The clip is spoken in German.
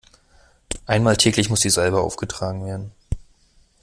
Einmal täglich muss die Salbe aufgetragen werden.